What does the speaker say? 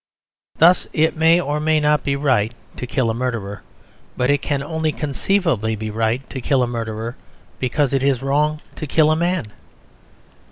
Thus it may or may not be right to kill a murderer; but it can only conceivably be right to kill a murderer because it is wrong to kill a man.